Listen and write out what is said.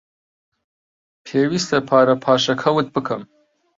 پێویستە پارە پاشەکەوت بکەم.